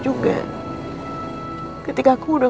jangan lupa ya udah